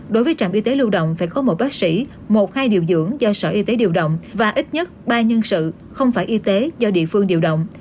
đối với trạm y tế lưu động phải có một bác sĩ một hai điều dưỡng do sở y tế điều động và ít nhất ba nhân sự không phải y tế do địa phương điều động